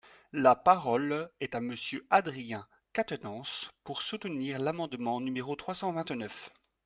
La parole est à Monsieur Adrien Quatennens, pour soutenir l’amendement numéro trois cent vingt-neuf.